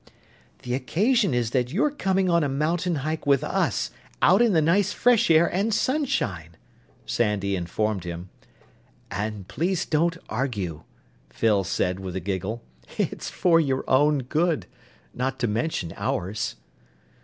"The occasion is that you're coming on a mountain hike with us, out in the nice fresh air and sunshine!" Sandy informed him. "And please don't argue," Phyl said with a giggle. "It's for your own good not to mention ours."